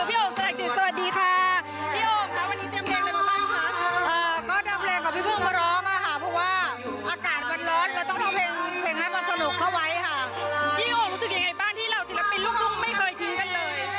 พี่โอ้งรู้สึกยังไงบ้างที่เราศิลปินลูกไม่เคยชิงกันเลย